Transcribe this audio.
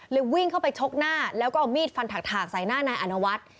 วิ่งเข้าไปชกหน้าแล้วก็เอามีดฟันถากใส่หน้านายอนวัฒน์